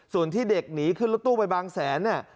ส่วนที่เด็กหนีขึ้นรถตู้ไปบางแสนเนี่ย